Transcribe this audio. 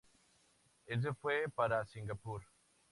Él se fue para Singapur.